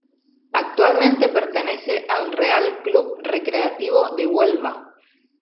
Actualmente pertenece al Real Club Recreativo de Huelva.